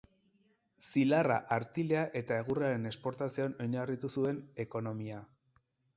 Zilarra, artilea eta egurraren esportazioan oinarritu zuen ekonomia.